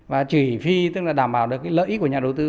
và chỉ phi tức là đảm bảo được cái lợi ích của nhà đồng